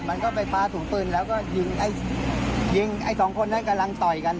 มันก็ไปคว้าถุงปืนแล้วก็ยิงไอ้ยิงไอ้สองคนนั้นกำลังต่อยกัน